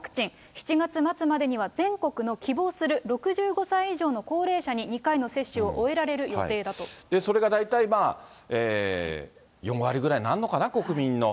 ７月末までには全国の希望する６５歳以上の高齢者に２回の接種をそれが大体まあ、４割ぐらいになるのかな、国民の。